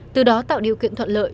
từ đó tạo điều kiện thuận lợi